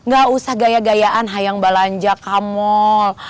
gak usah gaya gayaan hayang belanja ke mall